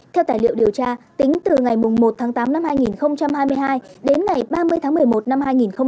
theo tài liệu điều tra tính từ ngày một tháng tám năm hai nghìn hai mươi hai đến ngày ba mươi tháng một mươi một năm hai nghìn hai mươi ba